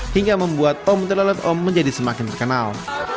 hingga membuat om telolet om menjadi semakin terkenal